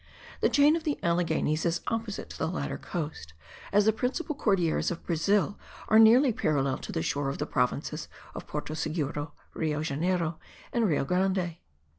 The chain of the Alleghenies is opposite to the latter coast, as the principal Cordilleras of Brazil are nearly parallel to the shore of the provinces of Porto Seguro, Rio Janeiro and Rio Grande.